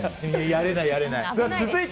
やれない、やれない。